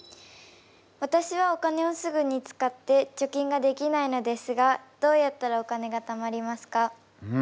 わたしはお金をすぐに使って貯金ができないのですがどうやったらお金が貯まりますか？